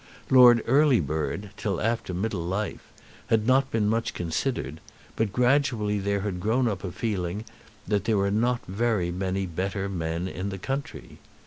Lord Earlybird, till after middle life, had not been much considered, but gradually there had grown up a feeling that there were not very many better men in the country.